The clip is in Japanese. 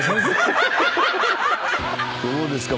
どうですか？